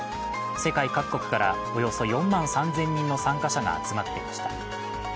世界各国からおよそ４万３０００人の参加者が集まっていました。